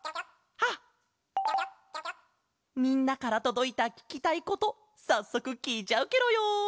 みんなからとどいたききたいことさっそくきいちゃうケロよ。